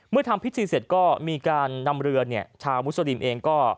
ทำพิธีเสร็จก็มีการนำเรือชาวมุสลิมเองก็